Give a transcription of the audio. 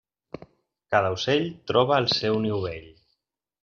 Cada ocell troba el seu niu bell.